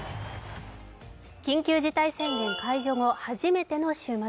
緊急事態宣言解除後、初めての週末。